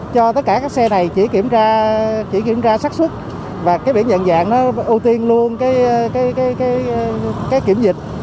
các xe này chỉ kiểm tra sắc xuất và cái biển nhận dạc nó ưu tiên luôn cái kiểm dịch